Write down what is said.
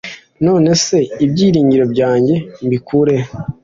none se ibyiringiro byanjye mbikurehe